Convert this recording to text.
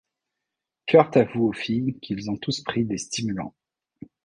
Kurt avoue aux filles qu’ils ont tous pris des stimulants.